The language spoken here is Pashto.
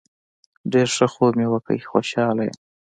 ډیر ښه خوب مې وکړ خوشحاله یم